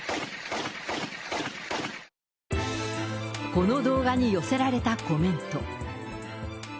この動画に寄せられたコメント。